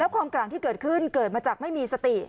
ความกลางที่เกิดขึ้นเกิดมาจากไม่มีสติ